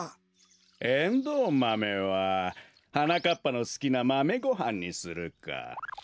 エンドウマメははなかっぱのすきなマメごはんにするか。